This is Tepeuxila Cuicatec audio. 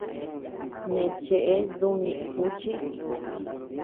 Nee cheʼe dü ñëʼe kuchii.